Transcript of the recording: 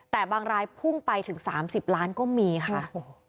แต่บางรายพุ่งไปถึง๓๐ล้านก็มีค่ะ